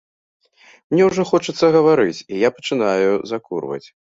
Мне ўжо хочацца гаварыць, і я пачынаю закурваць.